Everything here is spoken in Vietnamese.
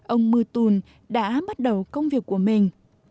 ông mu tùn đã bắt đầu công việc của mình